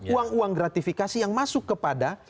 uang uang gratifikasi yang masuk kepada